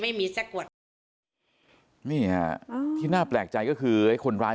ไม่มีสักขวดนี่ฮะที่น่าแปลกใจก็คือไอ้คนร้าย